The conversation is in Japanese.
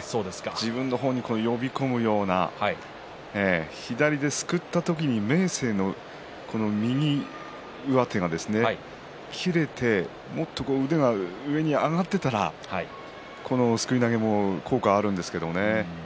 自分の方に呼び込むようなすくい左ですくった時に明生の右上手が切れて、もっとね腕が上に上がってたらこのすくい投げも効果があるんですけどね。